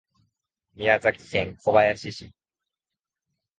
宮崎県小林市